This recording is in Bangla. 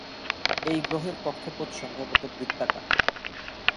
এই গ্রহের কক্ষপথ সম্ভবত বৃত্তাকার।